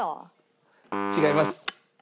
違います。